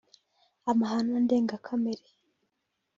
amahano ndengakamere